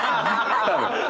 多分。